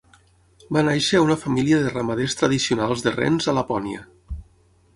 Va nàixer a una família de ramaders tradicionals de rens a Lapònia.